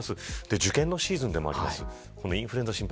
受験のシーズンでもあります。